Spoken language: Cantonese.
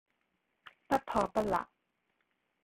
不破不立